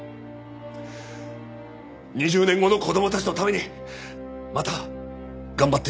２０年後の子供たちのためにまた頑張ってみようと思います。